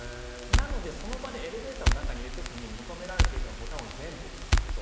なので、その場でエレベーターの中にいる時に求められているのはボタンを全部押すこと。